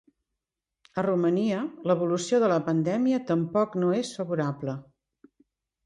A Romania l’evolució de la pandèmia tampoc no és favorable.